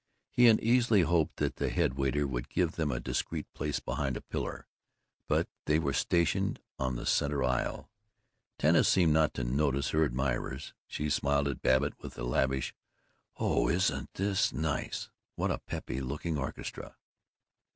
He uneasily hoped that the head waiter would give them a discreet place behind a pillar, but they were stationed on the center aisle. Tanis seemed not to notice her admirers; she smiled at Babbitt with a lavish "Oh, isn't this nice! What a peppy looking orchestra!"